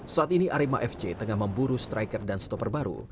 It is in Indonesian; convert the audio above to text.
saat ini arema fc tengah memburu striker dan stopper baru